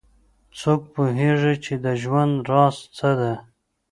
څوک پوهیږي چې د ژوند راز څه ده